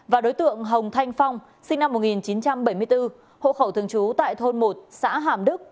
và đối tượng hồng thanh phong sinh năm một nghìn chín trăm bảy mươi bốn hộ khẩu thường trú tại thôn một xã hàm đức